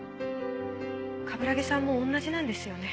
鏑木さんも同じなんですよね？